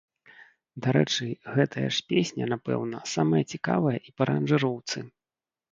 Дарэчы, гэтая ж песня, напэўна, самая цікавая і па аранжыроўцы.